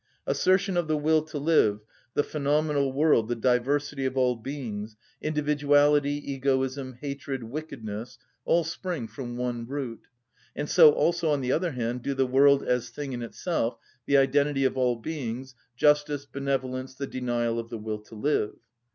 Assertion of the will to live, the phenomenal world, the diversity of all beings, individuality, egoism, hatred, wickedness, all spring from one root; and so also, on the other hand, do the world as thing in itself, the identity of all beings, justice, benevolence, the denial of the will to live.